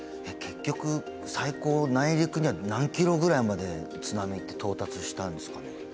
結局最高内陸には何ｋｍぐらいまで津波って到達したんですかね？